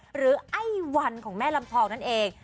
ไอ้วันของแม่ลำทองนั่นเอง